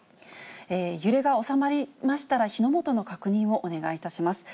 揺れが収まりましたら、火の元の確認をお願いいたします。